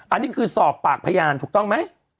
อันนี้คือสอบปากพยานถูกต้องไหม